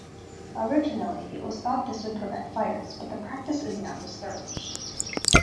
Originally, it was thought this would prevent fires, but the practice is now discouraged.